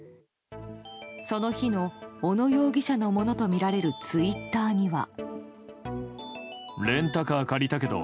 その日の小野容疑者のものとみられるツイッターには。